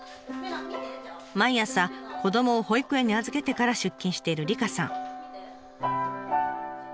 毎朝子どもを保育園に預けてから出勤している梨香さん。